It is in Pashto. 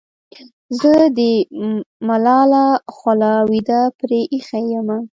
زه دې ملاله خوله وېده پرې اېښې یمه.